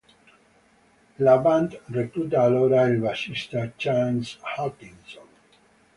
La band recluta allora il bassista Chance Hutchison.